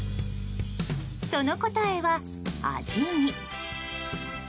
その答えは、味見。